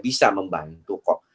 bisa membantu kok